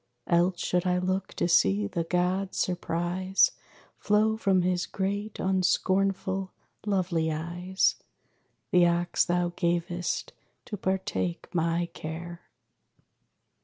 Else should I look to see the god's surprise Flow from his great unscornful, lovely eyes The ox thou gavest to partake my care.